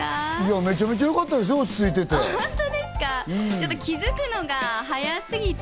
めちゃめちゃよかったですよ、落ち着いていて。